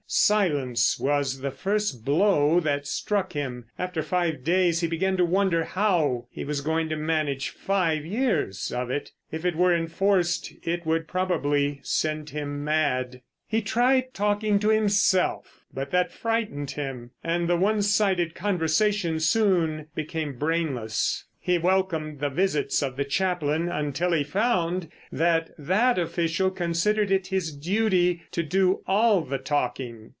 Silence was the first blow that struck him. After five days he began to wonder how he was going to manage five years of it. If it were enforced it would probably send him mad. He tried talking to himself, but that frightened him, and the one sided conversation soon became brainless. He welcomed the visits of the chaplain until he found that that official considered it his duty to do all the talking.